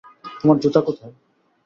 তোমার জুতা কোথায়?